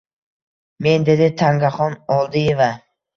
Men, dedi Tangaxon Oldieva